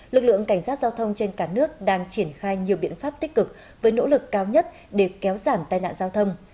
lực lượng cảnh sát giao thông trên cả nước đang triển khai nhiều biện pháp tích cực với nỗ lực cao nhất để kéo giảm tai nạn giao thông